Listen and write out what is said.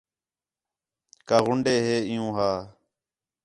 کا غُنڈے ہے عِیُّوں ہا